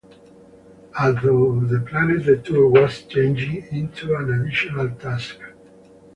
Although the planned Detour was changed into an additional task.